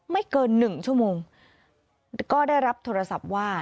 เกินหนึ่งชั่วโมงก็ได้รับโทรศัพท์ว่า